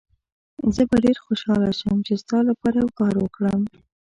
زه به ډېر خوشحاله شم چي ستا لپاره یو کار وکړم.